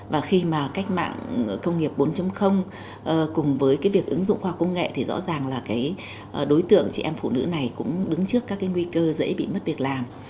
và khi mà cách mạng công nghiệp bốn cùng với cái việc ứng dụng khoa học công nghệ thì rõ ràng là cái đối tượng chị em phụ nữ này cũng đứng trước các cái nguy cơ dễ bị mất việc làm